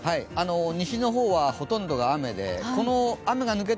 西の方はほとんどが雨で、この雨が抜けた